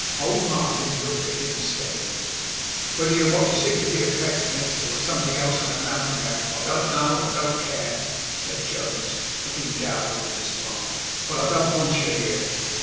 Old Martin looked at him steadily. 'Whether you are what you seemed to be at Pecksniff's, or are something else and a mountebank, I don't know and I don't care,' said Jonas, looking downward with a smile, 'but I don't want you here.